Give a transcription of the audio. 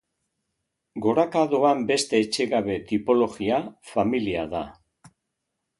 Goraka doan beste etxegabe tipologia familia da.